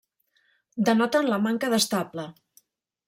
Denoten la manca d'estable.